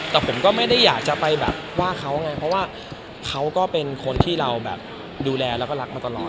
แต่ผมก็ไม่ได้อยากจะไปแบบว่าเขาไงเพราะว่าเขาก็เป็นคนที่เราแบบดูแลแล้วก็รักมาตลอด